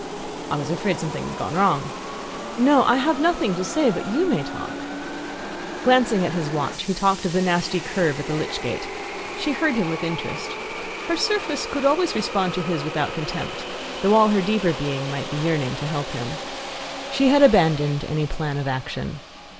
"I was afraid something had gone wrong." "No; I have nothing to say, but you may talk." Glancing at his watch, he talked of the nasty curve at the lych gate. She heard him with interest. Her surface could always respond to his without contempt, though all her deeper being might be yearning to help him. She had abandoned any plan of action.